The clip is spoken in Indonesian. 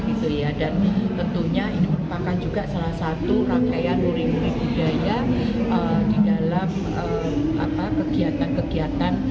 dan tentunya ini merupakan salah satu rangkaian murid murid budaya di dalam kegiatan kegiatan